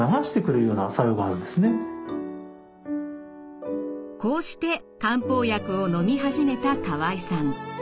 こうして漢方薬をのみ始めた河合さん。